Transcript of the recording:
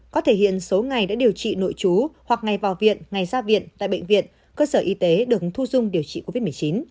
có thể hiện số ngày đã điều trị nội chú hoặc ngày vào viện ngày ra viện tại bệnh viện cơ sở y tế được thu dung điều trị covid một mươi chín